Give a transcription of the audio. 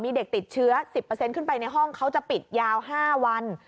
มีเด็กติดเชื้อ๑๐ขึ้นไปในห้องเขาจะปิดยาว๕วัน